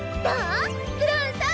ブラウンさん！